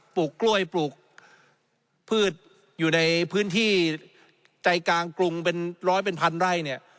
ลูกกล้วยปลูกพืชอยู่ในพื้นที่ใจกลางกรุงเป็นร้อยเป็นพันไร่เนี่ย